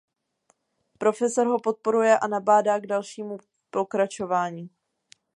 Profesor ho podporuje a nabádá k dalšímu pokračování.